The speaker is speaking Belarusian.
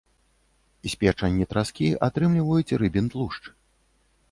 З печані траскі атрымліваюць рыбін тлушч.